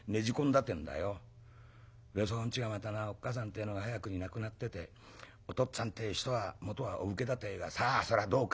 そのうちがまたなおっ母さんってえのが早くに亡くなっててお父っつぁんってえ人はもとはお武家だってえがさあそれはどうかな。